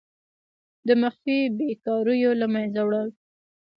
د مخفي بیکاریو له منځه وړل.